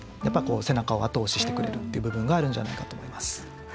背中を後押ししてくれる部分があるんじゃないかなと思います。